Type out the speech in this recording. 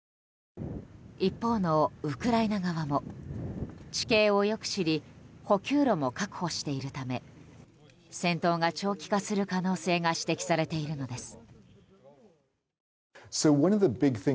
一方のウクライナ側も地形をよく知り補給路も確保しているため戦闘が長期化する可能性が指摘されているのです。